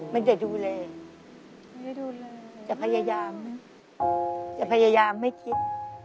ไม่ได้ดูแลจะพยายามจะพยายามไม่คิด